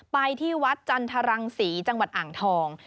ไปที่วัดจันทรังศรีจังหวัดอ่างทอง